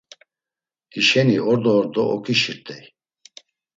Hişeni ordo ordo oǩişirt̆ey.